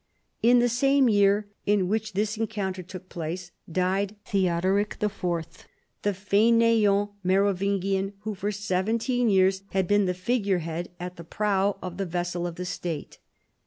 In the same year in which this encounter took place, died Theodoric IV., the fcdnSant Merovingian who for seventeen years had been the figure head at the prow of the vessel of the State.